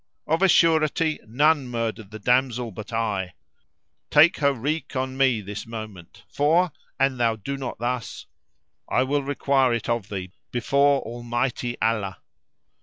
Of a surety none murdered the damsel but I; take her wreak on me this moment; for, an thou do not thus, I will require it of thee before Almighty Allah."